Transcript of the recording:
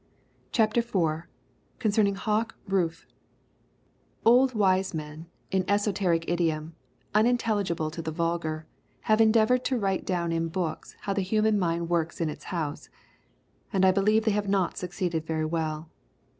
CHAPTER IV CONCERNING HAWK RUFE Old wise men in esoteric idiom, unintelligible to the vulgar, have endeavoured to write down in books how the human mind works in its house, and I believe they have not succeeded very well.